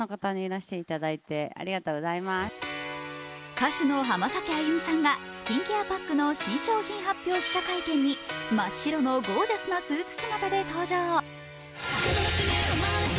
歌手の浜崎あゆみさんがスキンケアパックの新商品発表記者会見に真っ白のゴージャスなスーツ姿で登場。